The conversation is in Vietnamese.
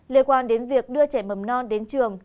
liên quan đến việc đưa trẻ mầm non đến trường